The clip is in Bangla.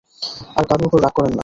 আর কারও উপর রাগ করেন না।